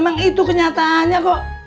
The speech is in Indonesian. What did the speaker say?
memang itu kenyataannya kok